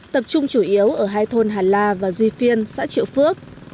tập trung chủ yếu ở hai thôn hà la và duy phiên xã triệu phước